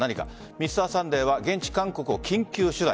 「Ｍｒ．サンデー」は現地・韓国を緊急取材。